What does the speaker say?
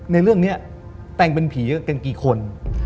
ในเรื่องนี้แต่งเป็นผีกันกี่คน